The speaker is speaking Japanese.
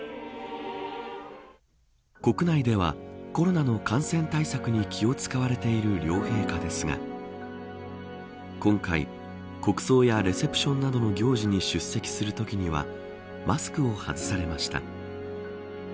国内では、コロナの感染対策に気を使われている両陛下ですが今回、国葬やレセプションなどの行事に出席するときにはマスクを外されました。